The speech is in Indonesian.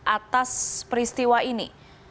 atas peristiwa ini